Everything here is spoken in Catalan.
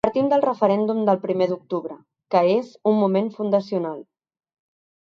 Partim del referèndum del primer d’octubre, que és un moment fundacional.